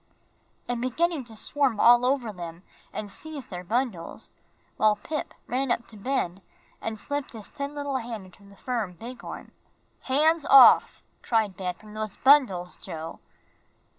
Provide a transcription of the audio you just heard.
and beginning to swarm all over them and seize their bundles, while Pip ran up to Ben and slipped his thin little hand into the firm, big one. "Hands off," cried Ben, "from those bundles, Joe!"